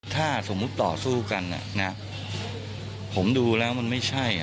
ถ้าสมมุติต่อสู้กันผมดูแล้วมันไม่ใช่